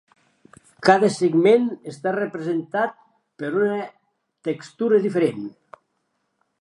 Cada segment està representat per una textura diferent.